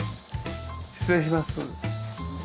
失礼します。